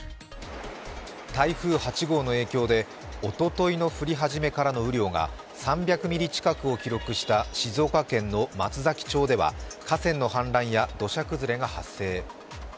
台風８号の影響でおとといの降り始めからの雨量が３００ミリ近くを記録した静岡県の松崎町では河川の氾濫や土砂崩れが発生。